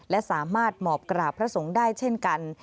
และสามารถหมอบกราบพระสงฆ์ได้เช่นกัน